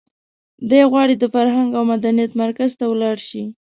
دی غواړي د فرهنګ او مدنیت مرکز ته ولاړ شي.